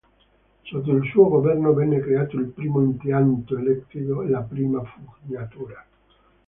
Sotto il suo governo venne creato il primo impianto elettrico e la prima fognatura.